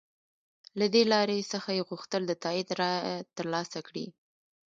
له دې لارې څخه یې غوښتل د تایید رایه تر لاسه کړي.